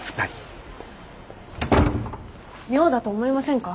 妙だと思いませんか？